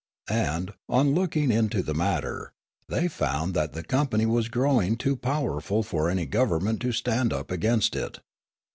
And, on looking into the matter, they found that the company was growing too powerful for anj^ government to stand up against it.